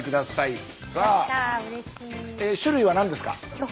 種類は何ですか？